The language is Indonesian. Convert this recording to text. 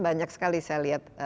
banyak sekali saya lihat